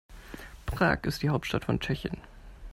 Prag ist die Hauptstadt von Tschechien.